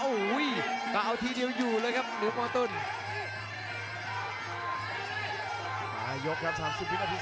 โหยกแรกถึงแม้ว่าจะได้มาสองนับครับ